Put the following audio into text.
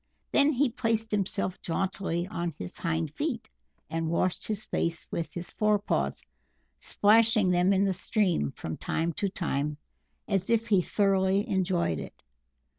Then he placed himself jauntily on his hind feet, and washed his face with his forepaws, splashing them in the stream from time to time as if he thoroughly enjoyed it.